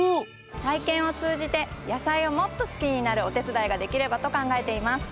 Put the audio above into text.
体験を通じて野菜をもっと好きになるお手伝いができればと考えています。